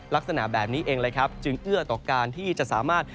ลักษณะแบบนี้เองเลยครับจึงเอื้อต่อการที่จะสามารถ